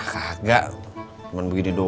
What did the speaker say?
kagak cuman begini doang